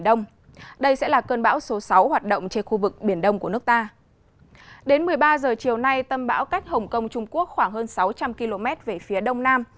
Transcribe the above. đến một mươi ba h chiều nay tâm bão cách hồng kông trung quốc khoảng hơn sáu trăm linh km về phía đông nam